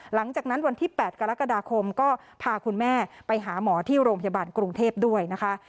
หลังจากที่วันที่๘กรกฎาคมก็พาคุณแม่ไปหาหมอที่โรงพยาบาลกรุงเทพด้วยนะคะ